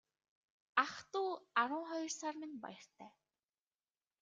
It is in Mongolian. Ах дүү арван хоёр сар минь баяртай.